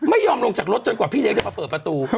ไม่ยอมลงจากรถจนกว่าพี่เลี้ยจะมาเปิดประตู